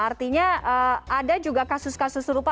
artinya ada juga kasus kasus serupa